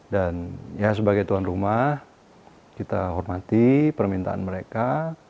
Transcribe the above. dan ya sebagai tuan rumah kita hormati permintaan mereka